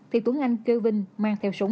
thì tuấn anh kêu vinh mang theo súng